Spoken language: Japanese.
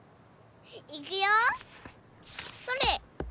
いくよそれっ！